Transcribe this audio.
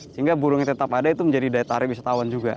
sehingga burung yang tetap ada itu menjadi daya tarik wisatawan juga